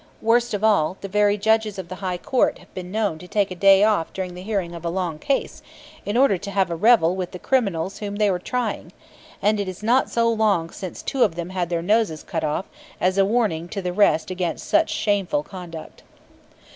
Worst of all, the very judges of the High Court have been known to take a day off during the hearing of a long case, in order to have a revel with the criminals whom they were trying; and it is not so long since two of them had their noses cut off, as a warning to the rest against such shameful conduct.